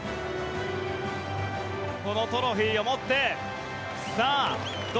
このトロフィーを持ってど